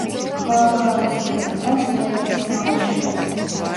გვალვაგამძლეა, იტანს ნიადაგის დამლაშებას.